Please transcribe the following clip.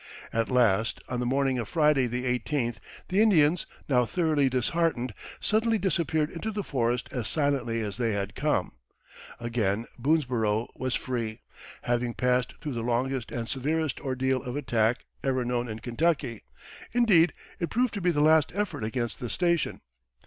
At last, on the morning of Friday, the eighteenth, the Indians, now thoroughly disheartened, suddenly disappeared into the forest as silently as they had come. Again Boonesborough was free, having passed through the longest and severest ordeal of attack ever known in Kentucky; indeed, it proved to be the last effort against this station.